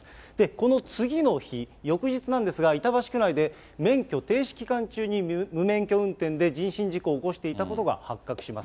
この次の日、翌日なんですが、板橋区内で免許停止期間中に無免許運転で人身事故を起こしていたことが発覚します。